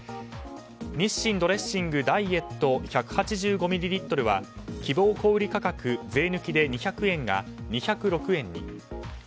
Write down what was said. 日清ドレッシングダイエット１８５ミリリットルは希望小売価格税抜きで２００円が２０６円に。